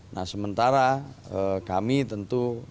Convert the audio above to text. nah sementara kami tentu